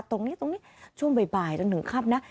ตรงนี้ตรงนี้ช่วงบ่ายจนถึงค่ำนะ